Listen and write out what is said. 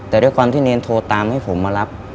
แต่ด้วยความที่เนรโทรตามให้ผมมารับ